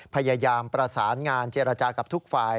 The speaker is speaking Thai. พยายามประสานงานเจรจากับทุกฝ่าย